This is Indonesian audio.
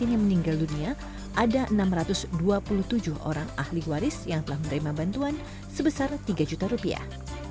yang meninggal dunia ada enam ratus dua puluh tujuh orang ahli waris yang telah menerima bantuan sebesar tiga juta rupiah